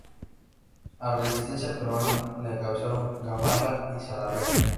La resistencia peruana la encabezaron Gamarra y Salaverry.